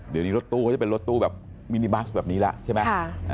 เดี๋ยวนี้รถตู้เขาจะเป็นรถตู้แบบมินิบัสแบบนี้แล้วใช่ไหม